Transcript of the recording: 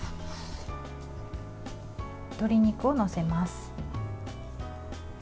鶏肉を載せます。